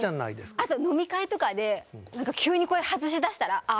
あと飲み会とかで何か急にこれ外しだしたらあっ